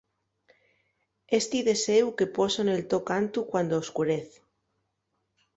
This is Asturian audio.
Esti deséu que poso nel to cantu cuando escurez.